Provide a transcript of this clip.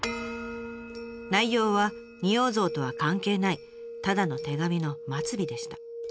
内容は仁王像とは関係ないただの手紙の末尾でした。